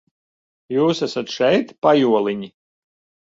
Jūs esat šeit, pajoliņi?